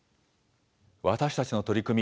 私たちの取り組み